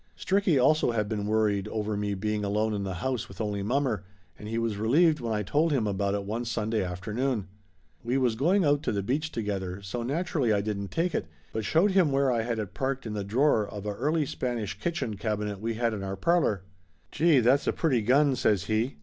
Stricky also had been worried over me being alone in the house with only mommer, and he was re lieved when I told him about it one Sunday afternoon. We was going out to the beach together, so naturally I didn't take it, but showed him where I had it parked in the drawer of a Early Spanish kitchen cabinet we had in our parlor. "Gee, that's a pretty gun," says he.